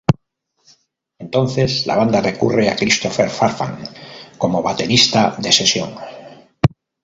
Entonces, la banda recurre a Christopher Farfán como baterista de sesión.